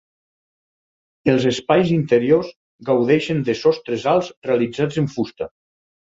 Els espais interiors gaudeixen de sostres alts realitzats en fusta.